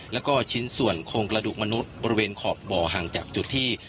แล้วก็ชิ้นส่วนโครงกระดูกมนุษย์บริเวณขอบบ่อห่างจากจุดที่